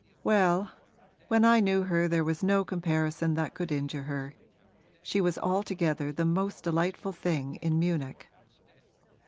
'Well, when I knew her there was no comparison that could injure her. She was altogether the most delightful thing in Munich.'